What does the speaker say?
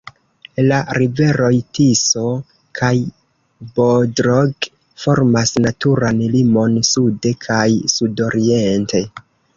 La riveroj Tiso kaj Bodrog formas naturan limon sude kaj sudoriente.